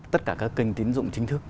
tất cả các kênh tín dụng chính thức